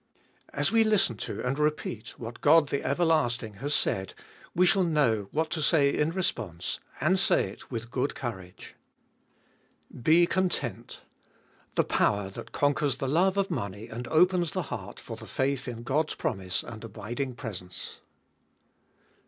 As we listen to and repeat what God the Everlasting has said, we shall know what to say in response, and say it with good courage. 3. Be content: the power that conquers the love of money, and opens the heart for the faith in God's promise and abiding presence.